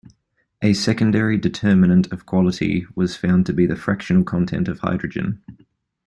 A secondary determinant of quality was found to be the fractional content of hydrogen.